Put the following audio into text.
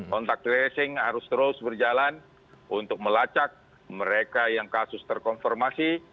kontak tracing harus terus berjalan untuk melacak mereka yang kasus terkonfirmasi